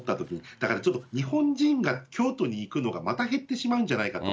だからちょっと、日本人が京都に行くのがまた減ってしまうんじゃないかと。